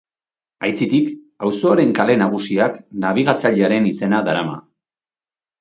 Aitzitik, auzoaren kale nagusiak nabigatzailearen izena darama.